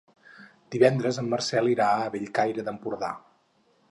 Divendres en Marcel irà a Bellcaire d'Empordà.